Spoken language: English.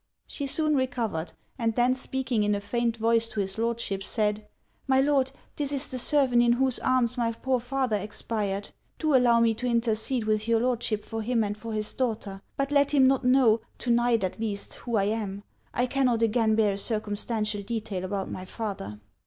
She soon recovered; and then speaking in a faint voice to his Lordship, said 'My Lord, this is the servant in whose arms my poor father expired. Do allow me to intercede with your Lordship for him and for his daughter; but let him not know, to night at least, who I am. I cannot again bear a circumstantial detail about my father.'